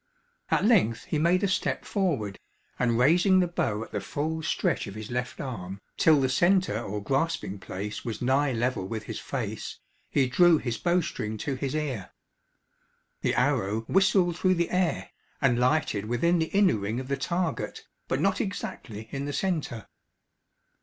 At length he made a step forward, and raising the bow at the full stretch of his left arm, till the centre or grasping place was nigh level with his face, he drew his bow string to his ear. The arrow whistled through the air, and lighted within the inner ring of the target, but not exactly in the centre.